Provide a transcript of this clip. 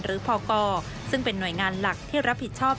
พกซึ่งเป็นหน่วยงานหลักที่รับผิดชอบ